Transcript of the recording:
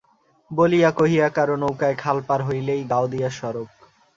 বলিয়া কহিয়া কারো নৌকায় খাল পার হইলেই গাওদিয়ার সড়ক।